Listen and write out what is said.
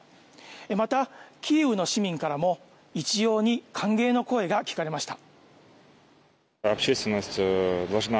また、キーウの市民からも一様に歓迎の声が聞かれました。